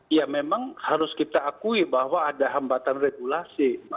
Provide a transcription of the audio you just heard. ya memang harus kita akui bahwa ada hambatan regulasi